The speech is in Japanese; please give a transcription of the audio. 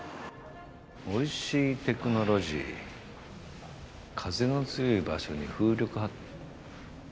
「美味しいテクノロジー」「風の強い場所に風力発」